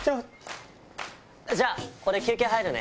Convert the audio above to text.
じゃあ、俺、休憩入るね。